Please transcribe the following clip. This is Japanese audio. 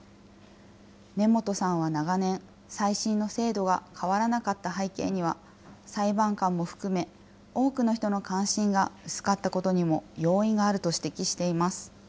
根本さんは長年、再審の制度は変わらなかった背景には、裁判官も含め、多くの人の関心が薄かったことにも要因があると指摘しています。